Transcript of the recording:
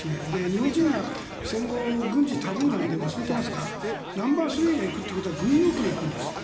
日本人が戦後、軍事タブーなんで忘れてますが、ナンバースリーが行くということは軍用機で行くんです。